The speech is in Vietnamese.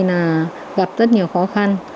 là gặp rất nhiều khó khăn